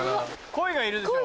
鯉がいるでしょ。